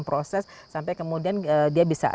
proses sampai kemudian dia bisa